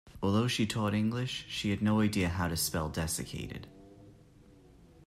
Although she taught English, she had no idea how to spell desiccated.